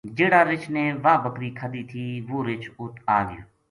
جہڑا رِچھ نے واہ بکری کھادی تھی وہ رِچھ اُت آگیو۔